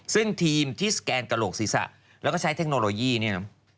ซึ่งทีมที่สแกนกระโหลกศีรษะแล้วก็ใช้เทคโนโลยีเนี่ยนะ